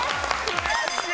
悔しい！